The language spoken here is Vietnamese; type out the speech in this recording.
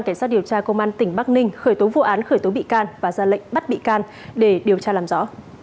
cảnh sát điều tra công an tỉnh bắc ninh khởi tố vụ án khởi tố bị can và ra lệnh bắt bị can để điều tra làm rõ